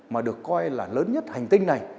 mà được coi là lớn nhất hành tinh này